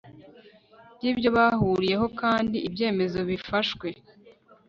by'ibyo bahuriyeho kandi ibyemezo bifashwe